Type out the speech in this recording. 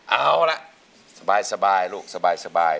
เอาล่ะสบายลูกสบาย